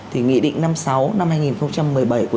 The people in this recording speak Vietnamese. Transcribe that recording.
thì nghị định năm sáu năm hai nghìn một mươi bảy của chính phủ